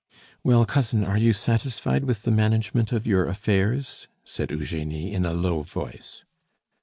"Well, cousin, are you satisfied with the management of your affairs?" said Eugenie in a low voice.